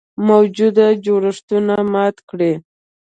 موجوده جوړښتونه مات کړي.